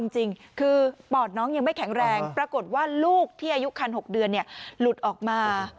จริงคือปอดน้องยังไม่แข็งแรงปรากฏว่าลูกที่อายุคัน๖เดือนหลุดออกมา